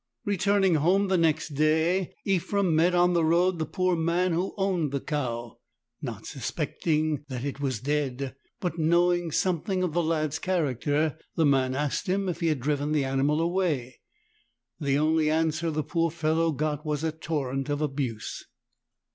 Returning home the next day, Ephrem met on the road the poor man who owned the cow. Not suspecting that it was dead, but knowing something of the lad's character, the man asked him if he had driven the animal away. The only answer the poor fellow got was a torrent of abuse.